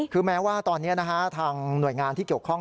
คือแม้ว่าตอนนี้ทางหน่วยงานที่เกี่ยวข้อง